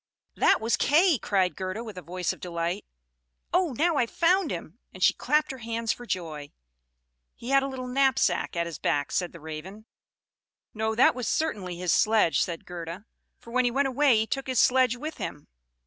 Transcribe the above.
"That was Kay," cried Gerda, with a voice of delight. "Oh, now I've found him!" and she clapped her hands for joy. "He had a little knapsack at his back," said the Raven. "No, that was certainly his sledge," said Gerda; "for when he went away he took his sledge with him."